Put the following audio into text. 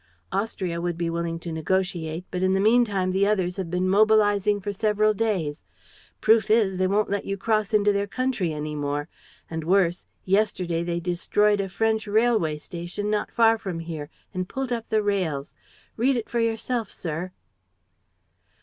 Austria would be willing to negotiate, but in the meantime the others have been mobilizing for several days. Proof is, they won't let you cross into their country any more. And worse: yesterday they destroyed a French railway station, not far from here, and pulled up the rails. Read it for yourself, sir!"